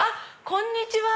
こんにちは。